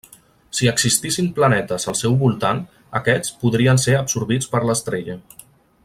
Si existissin planetes al seu al voltant, aquests podrien ser absorbits per l'estrella.